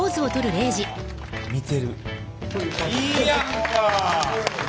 いいやんか！